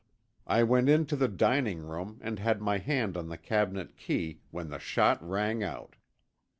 I went in to the dining room and had my hand on the cabinet key when the shot rang out.